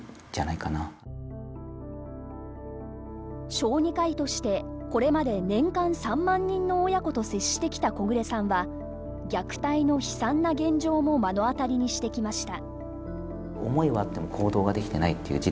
小児科医としてこれまで年間３万人の親子と接してきた小暮さんは虐待の悲惨な現状も目の当たりにしてきました。